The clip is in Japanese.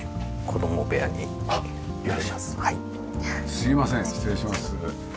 すみません失礼します。